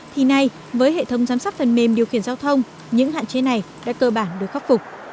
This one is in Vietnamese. thì nay với hệ thống giám sát phần mềm điều khiển giao thông những hạn chế này đã cơ bản được khắc phục